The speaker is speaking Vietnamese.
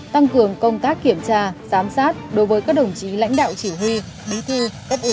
tăng cường công tác kiểm tra giám sát đối với các đồng chí lãnh đạo chỉ huy bí thư cấp ủy